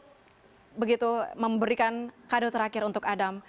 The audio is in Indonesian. tadi ikut begitu memberikan kado terakhir untuk adam